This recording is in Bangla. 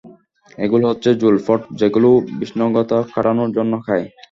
এগুলো হচ্ছে যোলফট যেগুলো ও বিষণ্ণতা কাটানোর জন্য খায়!